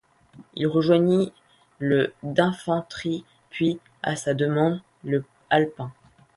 Il rejoignit le d'infanterie puis, à sa demande, le alpin.